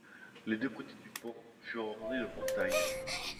Les deux côtés du pont furent ornés de portails.